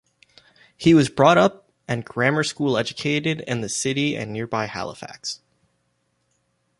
He was brought up and grammar school educated in the city and nearby Halifax.